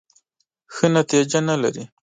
ښه نتیجه نه لري .